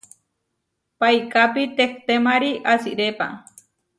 Paikápi tehtémari asirépa.